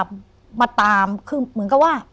มาตามคือเหมือนกับว่า